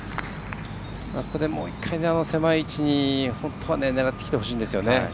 ここでもう１回狭い位置に本当は狙ってきてほしいんですよね。